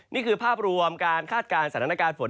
นี่คือภาพรวมการคาดการณ์สถานการณ์ฝน